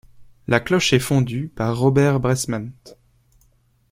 La cloche est fondue par Robert Bresmant.